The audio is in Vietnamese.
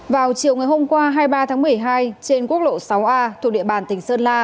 vào chiều ngày hôm qua hai mươi ba tháng một mươi hai trên quốc lộ sáu a thuộc địa bàn tỉnh sơn la